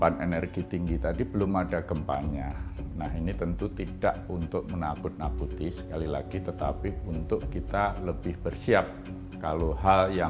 terima kasih terima kasih